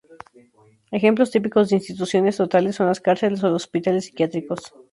Ejemplos típicos de instituciones totales son las cárceles o los hospitales psiquiátricos.